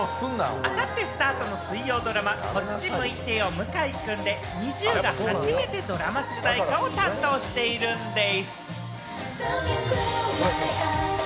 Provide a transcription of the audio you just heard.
あさってスタートの水曜ドラマ『こっち向いてよ向井くん』でＮｉｚｉＵが初めてドラマ主題歌を担当しているんでぃす！